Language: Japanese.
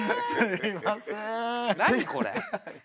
何これ。